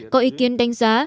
có ý kiến đánh giá